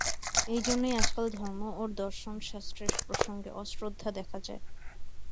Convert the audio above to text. এইজন্যই আজকাল ধর্ম ও দর্শনশাস্ত্রের প্রসঙ্গে অশ্রদ্ধা দেখা যায়।